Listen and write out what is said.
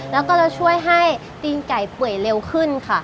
แล้วก็จะช่วยให้ตีนไก่เปื่อยเร็วขึ้นค่ะ